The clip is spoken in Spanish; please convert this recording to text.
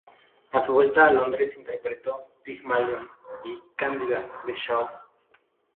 A su vuelta a Londres interpretó "Pigmalión" y "Cándida", de Shaw.